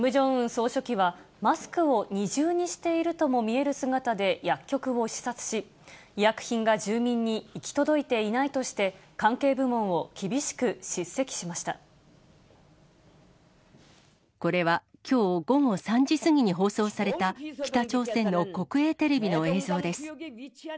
総書記は、マスクを二重にしているとも見える姿で薬局を視察し、医薬品が住民に行き届いていないとして、これは、きょう午後３時過ぎに放送された、北朝鮮の国営テレビの映像です。